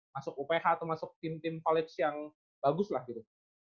masuk uph atau masuk tim tim collaps yang bagus lah gitu